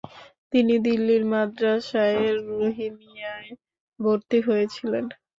তিনি দিল্লির মাদ্রাসায়ে রহিমিয়্যায় ভর্তি হয়েছিলেন।